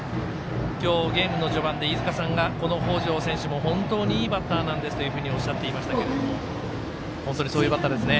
今日ゲームの序盤で飯塚さんがこの北條選手も本当にいいバッターなんですとおっしゃっていましたが本当にそういうバッターですね。